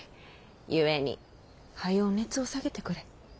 故にはよう熱を下げてくれ。